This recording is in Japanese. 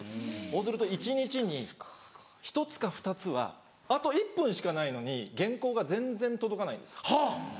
そうすると一日に１つか２つはあと１分しかないのに原稿が全然届かないんです。